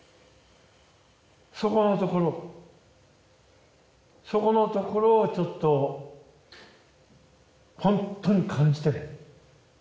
そこのところそこのところをちょっと本当に感じてね